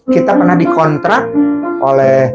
kita pernah dikontrak oleh